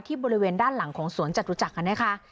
ที่บริเวณด้านหลังของสวนจัดรู้จักกันนะคะ